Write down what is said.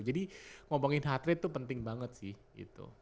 jadi ngomongin heart rate tuh penting banget sih gitu